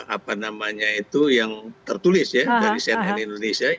apa namanya itu yang tertulis ya dari cnn indonesia